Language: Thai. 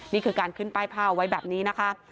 นี่คือการขึ้นป้ายผ้าเอาไว้แบบนี้นะคะ